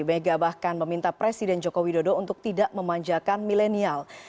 mega bahkan meminta presiden joko widodo untuk tidak memanjakan milenial